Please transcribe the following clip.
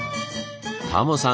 タモさん